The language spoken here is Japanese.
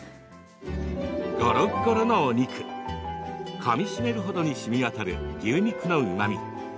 ゴロゴロのお肉かみしめるほどにしみ渡る牛肉のうまみ。